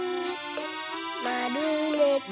まるめて。